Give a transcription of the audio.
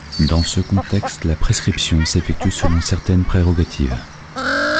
Dans ce contexte la prescription s'effectue selon certaines prérogatives.